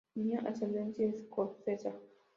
Tenía ascendencia escocesa.